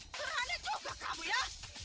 serahkan juga kamu ya